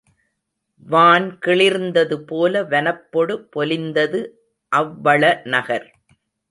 வான் கிளிர்ந்ததுபோல வனப்பொடு பொலிந்தது அவ் வளநகர்.